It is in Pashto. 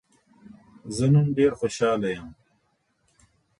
زه نن ډېر خوشحاله يم.